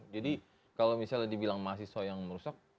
jadi kalau misalnya dibilang mahasiswa yang merusak